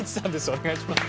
お願いします。